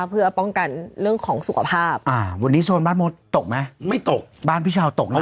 เพื่อป้องกันเรื่องของสุขภาพวันนี้โซนบ้านโมทตกไหมไม่ตกบ้านพี่เช้าตกหนักเลย